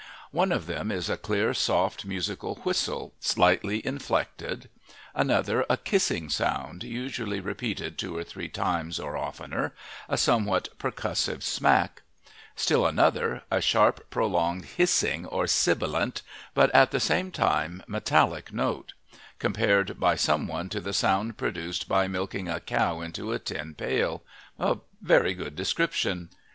One of them is a clear, soft, musical whistle, slightly inflected; another a kissing sound, usually repeated two or three times or oftener, a somewhat percussive smack; still another, a sharp, prolonged hissing or sibilant but at the same time metallic note, compared by some one to the sound produced by milking a cow into a tin pail a very good description.